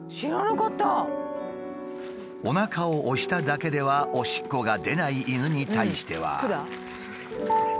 おなかを押しただけではおしっこが出ない犬に対しては。